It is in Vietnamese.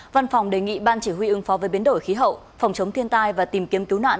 văn phòng đề nghị ban chỉ huy ứng phó với biến đổi khí hậu phòng chống thiên tai và tìm kiếm cứu nạn